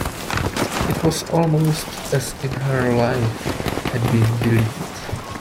It was almost as if her life had been deleted.